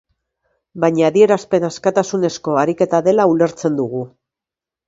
Baina adierazpen askatasunezko ariketa dela ulertzen dugu.